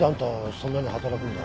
そんなに働くんだ？